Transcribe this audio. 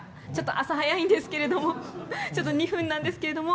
朝早いんですけどもちょっと２分なんですけれども。